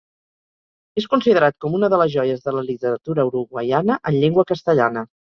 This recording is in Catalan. És considerat com a una de les joies de la literatura uruguaiana en llengua castellana.